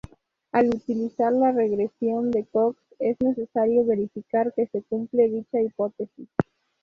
Al utilizar la regresión de Cox es necesario verificar que se cumple dicha hipótesis.